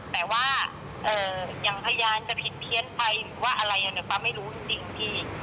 ถ้าเกิดว่าใครมีบุญก็อยู่กับคนนั้นแหละครับ